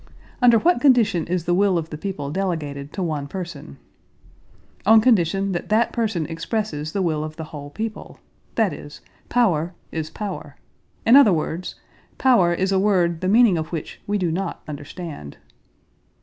Under what condition is the will of the people delegated to one person? On condition that that person expresses the will of the whole people. That is, power is power: in other words, power is a word the meaning of which we do not understand.